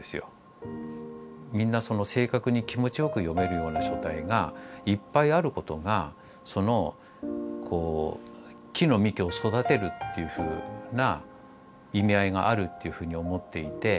みんな正確に気持ちよく読めるような書体がいっぱいあることがそのこう木の幹を育てるっていうふうな意味合いがあるっていうふうに思っていて。